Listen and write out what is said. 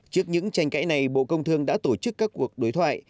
trước những tranh cãi này bộ công thương đã tổ chức các cuộc đối thoại